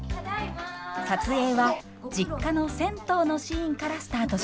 撮影は実家の銭湯のシーンからスタートしました。